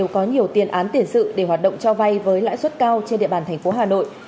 có nhiều tiền án tiền sự để hoạt động cho vay với lãi suất cao trên địa bàn thành phố hà nội